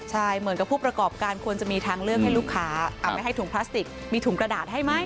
ใช่เหมือนกับผู้ประกอบการควรจะมีทางเลือกให้ลูกค้าไม่ให้ถุงพลาสติกมีถุงกระดาษให้ไหม